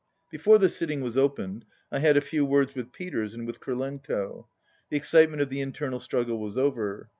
Be fore the sitting was opened I had a few words with Peters and with Krylenko. The excitement of the internal struggle was over.